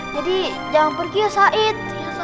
jadi jangan pergi ya said